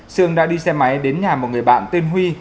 sương đã đi xe máy đến nhà một người bạn tên huy